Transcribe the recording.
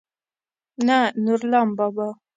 نه نورلام بابا.